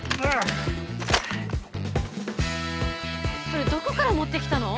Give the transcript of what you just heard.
それどこから持ってきたの？